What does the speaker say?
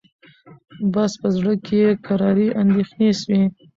بس په زړه کي یې کراري اندېښنې سوې